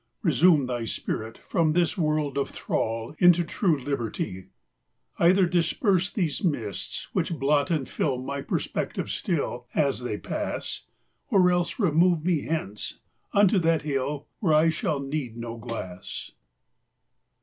Resume Thy spirit from this world of thrall Into true liberty! 216 THEY ARE ALL GONE Either disperse these mists, which blot and fill My perspective still as they pass; Or else remove me hence unto that hill, Where 1 shall need no glass!